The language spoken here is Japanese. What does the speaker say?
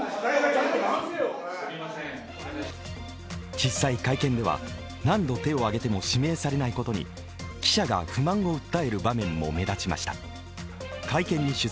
実際、会見では何度手を挙げても指名されないことに記者が不満を訴える場面も目立ちました。